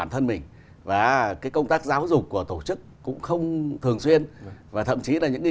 thường xuyên và thậm chí là những